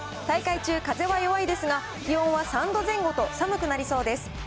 大会中、風は弱いですが、気温は３度前後と寒くなりそうです。